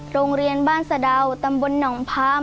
โรงเรียนบ้านสะดาวตำบลหนองพาม